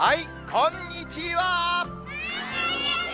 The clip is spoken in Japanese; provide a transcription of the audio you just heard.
こんにちは。